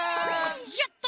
やった！